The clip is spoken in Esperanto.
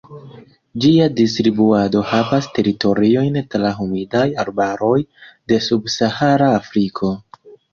Ĝia distribuado havas teritoriojn tra humidaj arbaroj de subsahara Afriko.